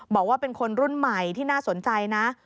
บอกว่าเป็นคนรุ่นใหม่ที่น่าสนใจนะ